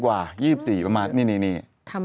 ๒๐กว่า๒๔ประมาณนี้นี่เหรอนะฮะ